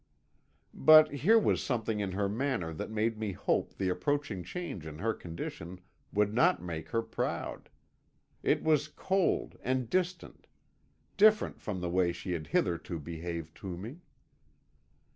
"But here was something in her manner that made me hope the approaching change in her condition would not make her proud. It was cold and distant different from the way she had hitherto behaved to me.